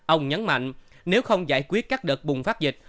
ông nhấn mạnh nếu không giải quyết các đợt bùng phát dịch